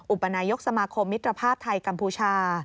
อุปนายกสมาคมมิตรภาพไทยกัมพูชา